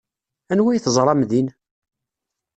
Anwa ay teẓram din?